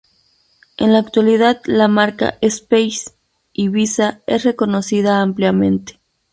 En la actualidad la marca Space Ibiza es reconocida ampliamente.